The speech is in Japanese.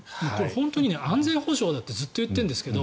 本当に安全保障だってずっと言っているんですが